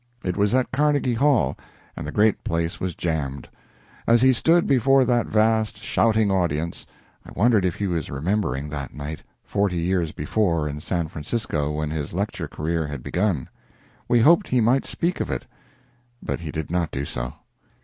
It was at Carnegie Hall, and the great place was jammed. As he stood before that vast, shouting audience, I wondered if he was remembering that night, forty years before in San Francisco, when his lecture career had begun. We hoped he might speak of it, but he did not do so.